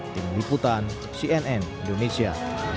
tim liputan cnn indonesia